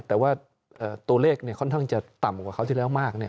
แต่ว่าตัวเลขเนี่ยค่อนข้างจะต่ำกว่าเขาที่แล้วมากเนี่ย